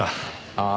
ああ。